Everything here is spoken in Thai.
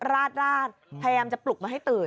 ราดพยายามจะปลุกมาให้ตื่น